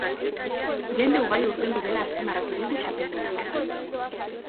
Jende ugari hurbildu dela azpimarratu digu txapeldunak.